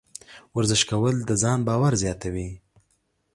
ورزش کول د ځان باور زیاتوي.